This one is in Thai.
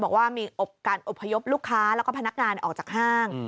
บอกว่ามีการอบพยพลูกค้าแล้วก็พนักงานออกจากห้าง